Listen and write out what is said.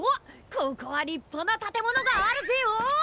ここはりっぱなたてものがあるぜよ！